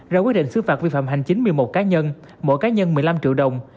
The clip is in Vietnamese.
ra quyết định xứ phạt vi phạm hành chính một mươi một cá nhân mỗi cá nhân một mươi năm triệu đồng